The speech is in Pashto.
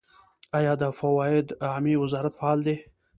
آیا د فواید عامې وزارت فعال دی؟